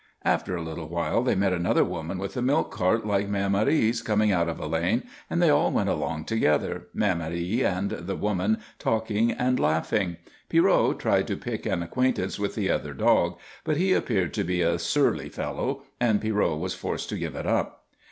After a little while they met another woman with a milk cart like Mère Marie's coming out of a lane, and they all went along together, Mère Marie and the woman talking and laughing. Pierrot tried to pick an acquaintance with the other dog, but he appeared to be a surly fellow, and Pierrot was forced to give it up.